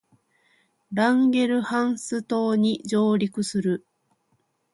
ランゲルハンス島に上陸する